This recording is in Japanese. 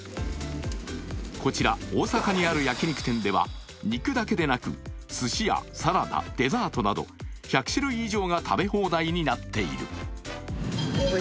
こちら、大阪にある焼き肉店では、肉だけでなく、すしやサラダ、デザートなど１００種類以上が食べ放題になっている。